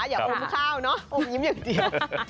อย่าอมข้าวเนอะอมยิ้มอย่างเดียว